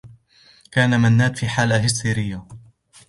كان منّاد في حالة هستيريّة.